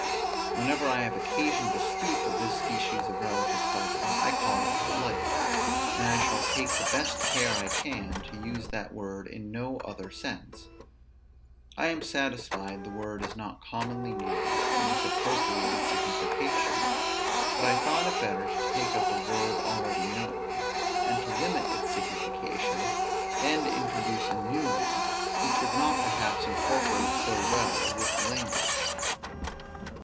Whenever I have occasion to speak of this species of relative pleasure, I call it delight; and I shall take the best care I can to use that word in no other sense. I am satisfied the word is not commonly used in this appropriated signification; but I thought it better to take up a word already known, and to limit its signification, than to introduce a new one, which would not perhaps incorporate so well with the language.